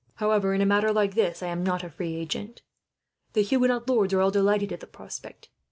However, in a matter like this I am not a free agent. "The Huguenot lords are all delighted at the prospect.